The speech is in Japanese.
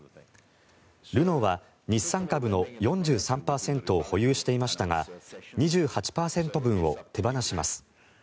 ルノーは日産株の４３％を保有していましたが２８％分を手放します。